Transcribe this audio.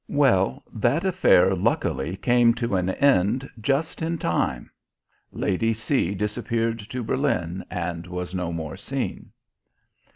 Well, that affair luckily came to an end just in time. Lady C disappeared to Berlin and was no more seen.